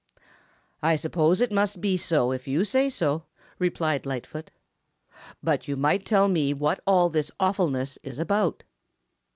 "I suppose it must be so if you say so," replied Lightfoot, "but you might tell me what all this awfulness is about."